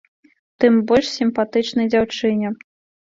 Тым больш сімпатычнай дзяўчыне!